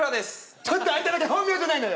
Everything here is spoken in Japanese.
ちょっとアンタだけ本名じゃないのよ！